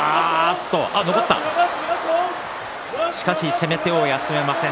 攻め手を休めません